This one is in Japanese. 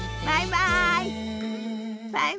バイバイ。